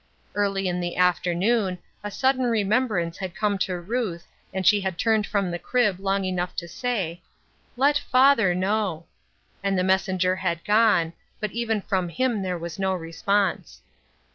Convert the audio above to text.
Early in the afternoon, a sudden remem brance had come to Ruth, and she had turned from the crib lonp^ enouo h to sav, " Let fathei 428 Ruth Erskine's Crosses. know." And the messenger had gone, but even from him there was no response.